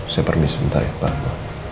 saya pergi sebentar ya pak